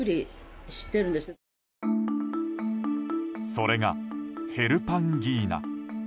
それが、ヘルパンギーナ。